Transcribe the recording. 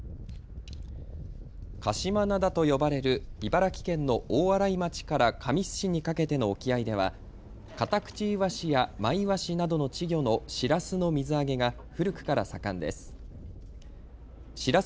鹿島灘と呼ばれる茨城県の大洗町から神栖市にかけての沖合ではカタクチイワシやマイワシなどの稚魚のシラスの水揚げが古くから盛んです。